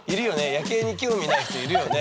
夜景に興味ない人いるよね。